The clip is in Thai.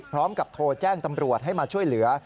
พร้อมกับโทรแจ้งตำรวจให้มาช่วยเหลือ